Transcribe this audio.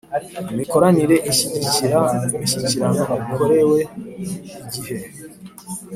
Imikoranire ishyigikira umushyikirano ukorewe igihe